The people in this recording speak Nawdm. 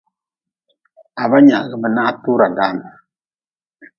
Ha ba nyaagʼbe na ha tura dan.